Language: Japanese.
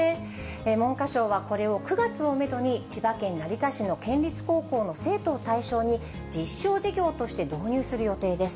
文科省はこれを９月をメドに、千葉県成田市の県立高校の生徒を対象に実証授業として導入する予定です。